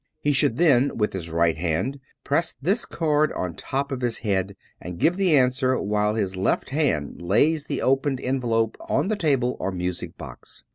He should then with his right hand press this card on top of his head and give the answer, while his left hand lays the opened envelope on the table or music box.